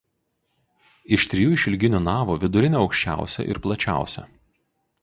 Iš trijų išilginių navų vidurinė aukščiausia ir plačiausia.